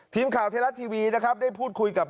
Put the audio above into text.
ทีมข่าวไทยรัฐทีวีนะครับได้พูดคุยกับ